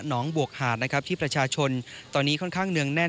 น้องบวกฐานที่ประชาชนตอนนี้ค่อนข้างเหนื่อยแน่น